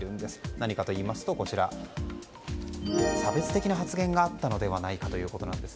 何かといいますと差別的発言があったのではないかということです。